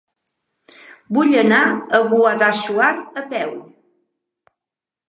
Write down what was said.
Vull anar a Guadassuar a peu.